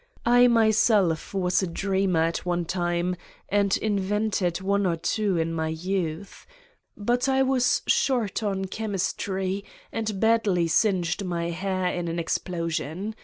I myself was a dreamer at one time and invented one or two in my youth ... but I was short on chemistry and badly singed my hair in an explosion.